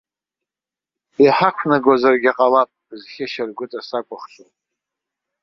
Иҳақәнагозаргьы ҟалап, зхьышьаргәыҵа сакәыхшоу.